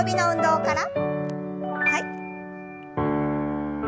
はい。